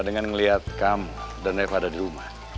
dengan ngeliat kamu dan reva ada di rumah